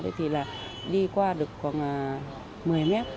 thì là đi qua được khoảng một mươi mét